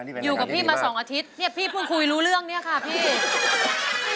พี่คะอยู่กับพี่มา๒อาทิตย์พี่พึ่งคุยรู้เรื่องเนี่ยค่ะพี่